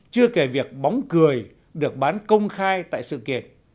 chưa kể việc bóng cười được bán công khai tại sự kiện